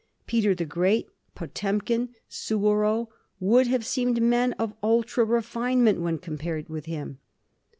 Peter the Great, Potemkin, Suwarrow, would have seemed men of ultra refinement when compared with him.